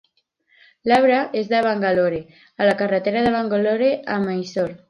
L'arbre és de Bangalore, a la carretera de Bangalore a Mysore.